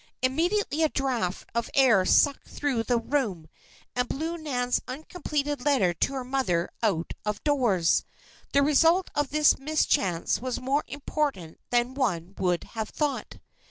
Immediately a draft of air sucked through the room and blew Nan's uncompleted letter to her mother out of doors. The result of this mischance was more important than one would have thought.